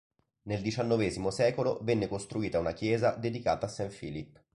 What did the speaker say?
Nel diciannovesimo secolo venne costruita una chiesa dedicata a St. Phillip.